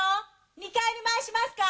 ２階に回しますか？